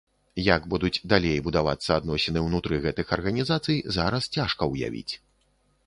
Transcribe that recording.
Як будуць далей будавацца адносіны ўнутры гэтых арганізацый, зараз цяжка ўявіць.